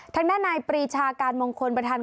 ทางแนนายปรีชาการมงคลบทัน